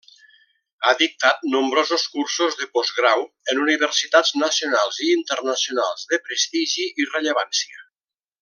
Ha dictat nombrosos cursos de postgrau en Universitats nacionals i internacionals de prestigi i rellevància.